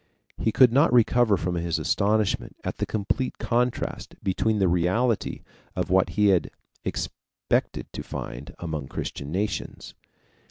He could not recover from his astonishment at the complete contrast between the reality and what he had expected to find among Christian nations.